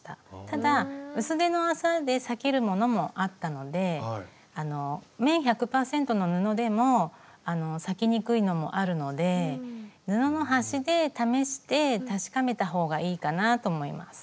ただ薄手の麻で裂けるものもあったので綿１００％の布でも裂きにくいのもあるので布の端で試して確かめた方がいいかなと思います。